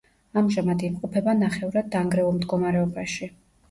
ამჟამად იმყოფება ნახევრად დანგრეულ მდგომარეობაში.